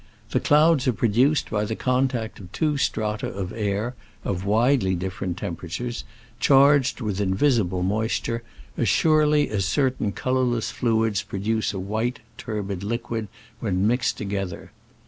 The clouds are produced by the contact of two strata of air (of widely different tempe ratures) charged with invisible moisture, as surely as certain colorless fluids pro duce a white, turbid liquid when mixed together.